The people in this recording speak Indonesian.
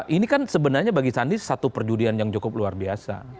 ini kan sebenarnya bagi sandi satu perjudian yang cukup luar biasa